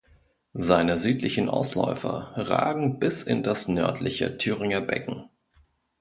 Seine südlichen Ausläufer ragen bis in das nördliche Thüringer Becken.